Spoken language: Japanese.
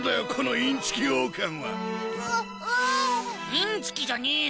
インチキじゃねえよ。